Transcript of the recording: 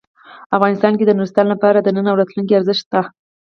افغانستان کې د نورستان لپاره د نن او راتلونکي ارزښت شته.